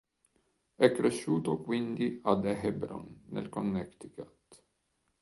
È cresciuto, quindi, ad Hebron, nel Connecticut.